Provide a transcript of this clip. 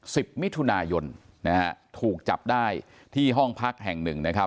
สิบมิถุนายนนะฮะถูกจับได้ที่ห้องพักแห่งหนึ่งนะครับ